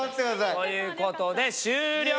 ということで終了。